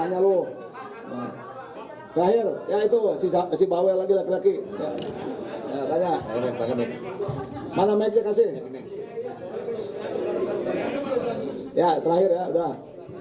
ya itu si bawel lagi laki laki ya tanya mana mic nya kasih ya terakhir ya udah